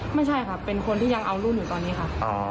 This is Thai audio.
ไม่ใช่ค่ะเป็นคนที่ยังเอาลูกอยู่ตอนนี้ค่ะ